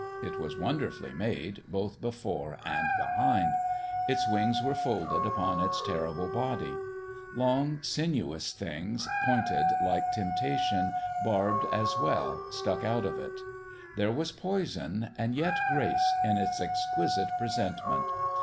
It was wonderfully made, both before and behind. Its wings were folded upon its terrible body. Long, sinuous things, pointed like temptation, barbed as well, stuck out of it. There was poison, and yet grace, in its exquisite presentment.